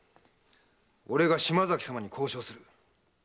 俺が島崎様に交渉する。